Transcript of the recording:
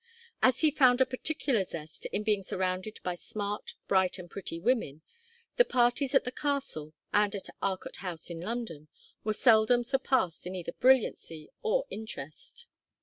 As he found a particular zest in being surrounded by smart, bright and pretty women, the parties at the castle, and at Arcot House in London, were seldom surpassed in either brilliancy or interest.